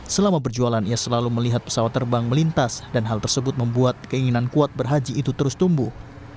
selama berjualan ia selalu melihat pesawat terbang melintas dan hal tersebut membuat keinginan kuat berhaji itu terus tumbuh